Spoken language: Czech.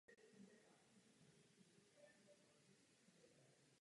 Používají se v astronomii a k navigaci.